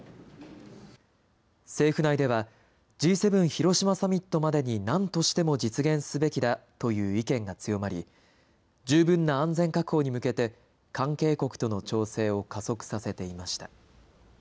政府内ではＧ７広島サミットまでに何としても実現すべきだという意見が強まり十分な安全確保に向けて関係国との調整を加速させていました。